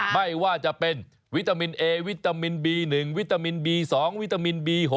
ไม่ว่าจะเป็นวิตามินเอวิตามินบี๑วิตามินบี๒วิตามินบี๖